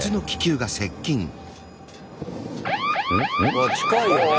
うわっ近いよねえ。